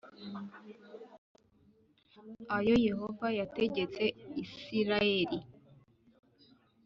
ayo Yehova yategetse Isirayeli